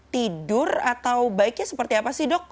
tidur atau baiknya seperti apa sih dok